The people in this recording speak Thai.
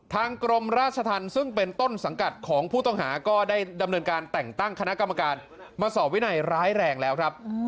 กรมราชธรรมซึ่งเป็นต้นสังกัดของผู้ต้องหาก็ได้ดำเนินการแต่งตั้งคณะกรรมการมาสอบวินัยร้ายแรงแล้วครับ